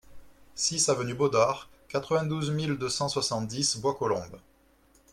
six avenue Baudard, quatre-vingt-douze mille deux cent soixante-dix Bois-Colombes